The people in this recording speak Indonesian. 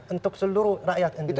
untuk seluruh rakyat indonesia